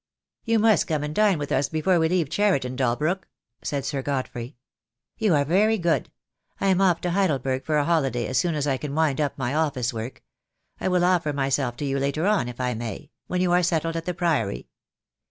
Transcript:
"You must come and dine with us before we leave Cheriton, Dalbrook," said Sir Godfrey. "You are very good. I am off to Heidelberg for a holiday as soon as I can wind up my office work. I will offer myself to you later on, if I may, when you are settled at the Priory."